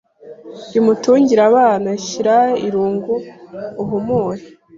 Rimutungire abana Shira irungu uhumure